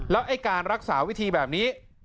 แล้วไอ้การรักษาวิธีแบบนี้